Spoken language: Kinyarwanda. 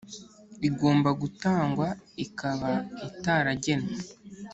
Igomba gutangwa ikaba itaragenwe